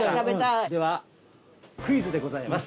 ではクイズでございます。